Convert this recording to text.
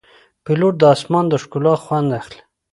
پیلوټ د آسمان د ښکلا خوند اخلي.